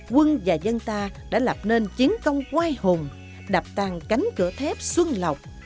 quân và dân ta đã lập nên chiến công oai hồn đập tàn cánh cửa thép xuân lộc